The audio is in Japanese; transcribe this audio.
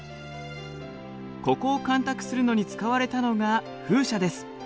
ここを干拓するのに使われたのが風車です。